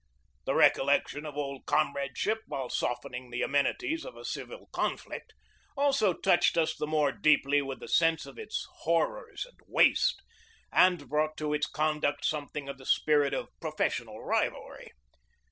The recollection of old comradeship, while softening the amenities of a civil conflict, also touched us the more deeply with the sense of its horrors and waste, and brought to its conduct something of the spirit of professional rivalry.